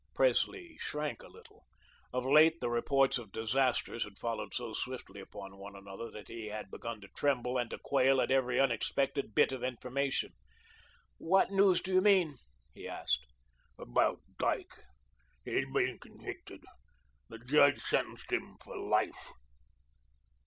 Presley shrank a little. Of late the reports of disasters had followed so swiftly upon one another that he had begun to tremble and to quail at every unexpected bit of information. "What news do you mean?" he asked. "About Dyke. He has been convicted. The judge sentenced him for life."